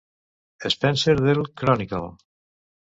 Spencer del Chronicle.